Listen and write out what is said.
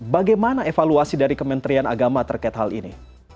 bagaimana evaluasi dari kementerian agama terkait hal ini